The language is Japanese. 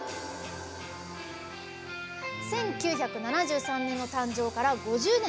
１９７３年の誕生から５０年。